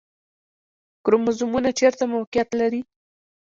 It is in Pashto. کروموزومونه چیرته موقعیت لري؟